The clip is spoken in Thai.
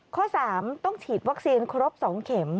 ข้อ๓ต้องฉีดวัคซีนครบ๒เข็ม